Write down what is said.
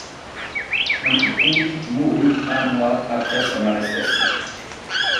Son épouse mourut un mois après son arrestation.